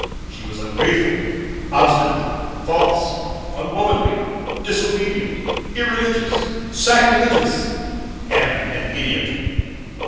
She was ungrateful, obstinate, false, unwomanly, disobedient, irreligious, sacrilegious, and an idiot.